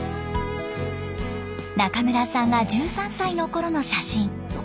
中村さんが１３歳のころの写真。